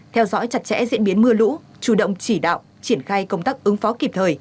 theo dõi chặt chẽ diễn biến mưa lũ chủ động chỉ đạo triển khai công tác ứng phó kịp thời